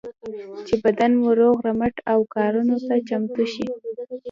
چې بدن مو روغ رمټ او کارونو ته چمتو شي.